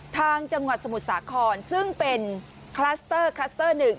ทางจังหวัดสมุทรสาครซึ่งเป็นคลัสเตอร์คลัสเตอร์หนึ่ง